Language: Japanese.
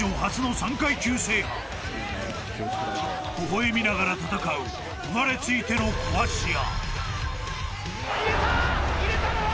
［微笑みながら戦う生まれついての壊し屋］